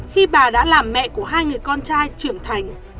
khi bà đã làm mẹ của hai người con trai trưởng thành